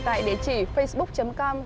tại địa chỉ facebook com